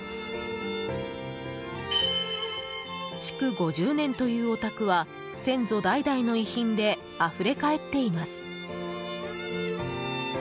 築５０年というお宅は先祖代々の遺品であふれ返っています。